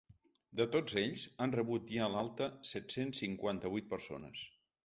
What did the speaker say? De tots ells, han rebut ja l’alta set-cents cinquanta-vuit persones.